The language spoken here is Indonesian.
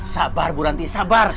sabar bu ranti sabar